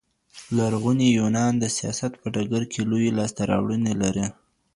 لرغوني يونان د سياست په ډګر کي لويي لاسته راوړني لرلې.